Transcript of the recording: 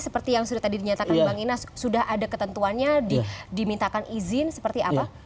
seperti yang sudah tadi dinyatakan bang inas sudah ada ketentuannya dimintakan izin seperti apa